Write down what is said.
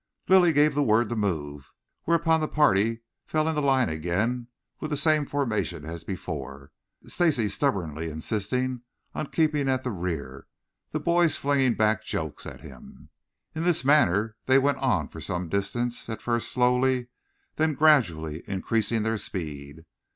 Lilly gave the word to move, whereupon the party fell into line again with the same formation as before, Stacy stubbornly insisting on keeping at the rear, the boys flinging back jokes at him. In this manner they went on for some distance, at first slowly, then gradually increasing their speed.